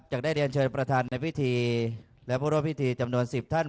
ยังได้เรียนเชิญประธานในพิธีและผู้ร่วมพิธีจำนวน๑๐ท่าน